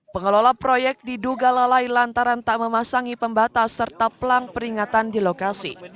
pengelola proyek diduga lalai lantaran tak memasangi pembatas serta pelang peringatan di lokasi